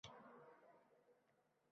Ular shoirlar, rassomlar